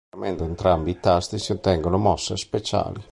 Premendo entrambi i tasti si ottengono mosse speciali.